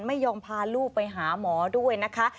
ไม่ยอมพาลูกไปหาหมอด้วยนะคะ